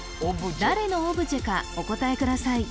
誰のオブジェかお答えください